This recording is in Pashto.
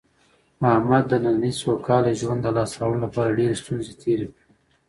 احمد د نننۍ سوکاله ژوند د لاسته راوړلو لپاره ډېرې ستونزې تېرې کړې دي.